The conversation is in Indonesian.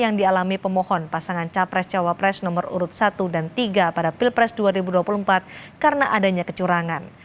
yang dialami pemohon pasangan capres cawapres nomor urut satu dan tiga pada pilpres dua ribu dua puluh empat karena adanya kecurangan